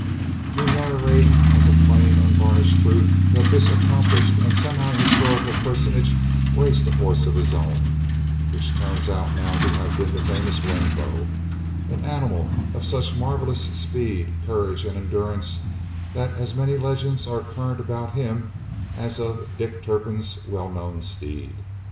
We narrate as a plain, unvarnished truth that this accomplished and semi historical personage raced a horse of his own, which turns out now to have been the famous Rainbow, an animal of such marvellous speed, courage, and endurance that as many legends are current about him as of Dick Turpin's well known steed.